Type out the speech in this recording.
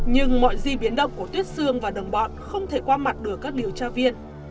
nhưng mọi gì biến động của tuyết xương và đồng bọn không thể qua mặt được các điều tra viên